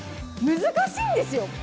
難しいんですよ。